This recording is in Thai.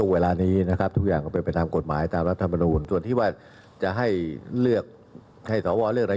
วันนี้ท่านนายกก็